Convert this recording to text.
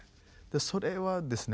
それはですね